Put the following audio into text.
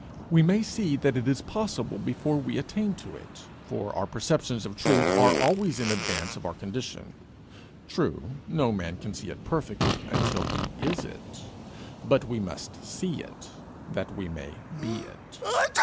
We may see that it is possible before we attain to it; for our perceptions of truth are always in advance of our condition. True, no man can see it perfectly until he is it; but we must see it, that we may be it.